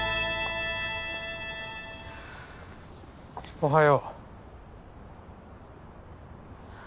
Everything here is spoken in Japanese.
おはよう。